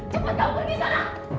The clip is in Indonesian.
cepat kamu pergi sana